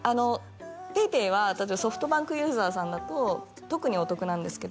ＰａｙＰａｙはソフトバンクユーザーさんだと特にお得なんですけど